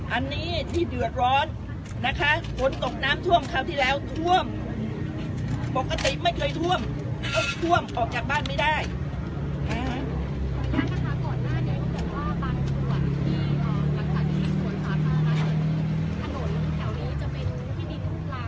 อันนี้ที่เดือดร้อนนะคะฝนตกน้ำท่วมคราวที่แล้วท่วมปกติไม่เคยท่วมต้องท่วมออกจากบ้านไม่ได้อ่า